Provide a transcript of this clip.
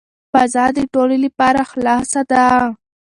فضا د ټولو لپاره خلاصه ده.